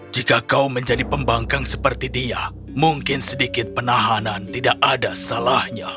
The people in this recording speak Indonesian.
jika kau menjadi pembangkang seperti dia mungkin sedikit penahanan tidak ada salahnya